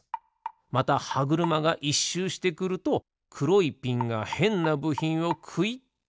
またはぐるまが１しゅうしてくるとくろいピンがへんなぶひんをくいっとまわす。